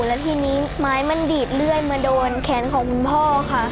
แล้วทีนี้ไม้มันดีดเลื่อยมาโดนแขนของคุณพ่อค่ะ